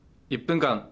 「１分間！